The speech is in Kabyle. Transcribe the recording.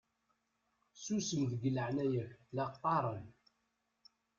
Susem deg leɛnaya-k la qqaṛen!